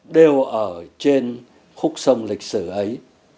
đều ở trên khúc sông lịch sử ấy